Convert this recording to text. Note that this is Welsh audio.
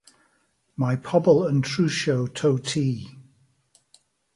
Mae pobl yn trwsio to tŷ.